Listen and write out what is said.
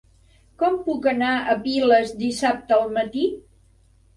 Com puc anar a Piles dissabte al matí?